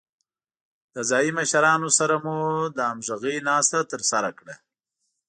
له ځايي مشرانو سره مو د همغږۍ ناسته ترسره کړه.